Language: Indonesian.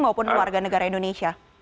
maupun warga negara indonesia